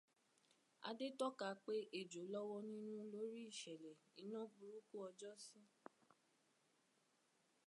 Adé tọ́ka pé ejò lọ́wọ́ nínú lórí ìṣẹ̀lẹ̀ iná burúkú ọjọ́sí